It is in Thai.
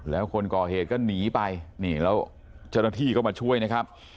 แล้วคนก่อเหตุก็หนีไปนี่แล้วเจ้าหน้าที่ก็มาช่วยนะครับ